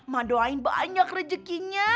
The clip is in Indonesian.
madoain banyak rejekinya